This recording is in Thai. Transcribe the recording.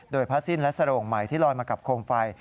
โดยผ้าสิ้นและสโรงใหม่ที่ลอยมากับโคมไฟ